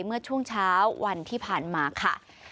เมื่อช่วงเช้าวันที่ผ่านมาค่ะ